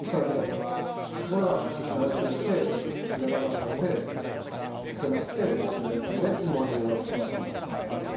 ところが断水して水がなかったので消せなくて町全体に燃え広がってしまったんだと。